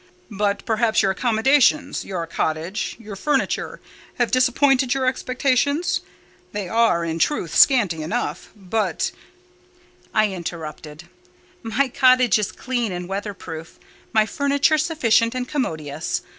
"But perhaps your accommodations—your cottage—your furniture—have disappointed your expectations? They are, in truth, scanty enough; but—" I interrupted— "My cottage is clean and weather proof; my furniture sufficient and commodious.